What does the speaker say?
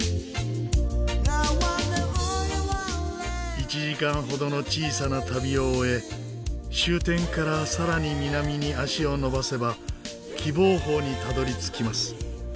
１時間ほどの小さな旅を終え終点からさらに南に足を延ばせば喜望峰にたどり着きます。